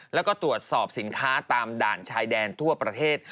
แล้วก็ตรวจสอบสินค้าตามด่านชายแดนทั่วประเทศ